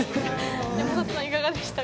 山里さん、いかがでしたか？